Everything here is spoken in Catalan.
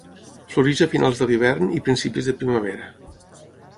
Floreix a finals de l'hivern i principis de primavera.